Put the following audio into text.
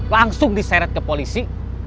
langsung diseret ke polisi